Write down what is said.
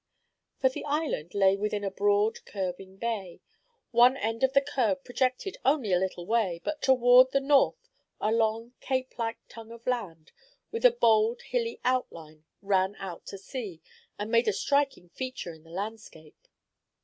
For the island lay within a broad curving bay. One end of the curve projected only a little way, but toward the north a long, cape like tongue of land, with a bold, hilly outline, ran out to sea, and made a striking feature in the landscape.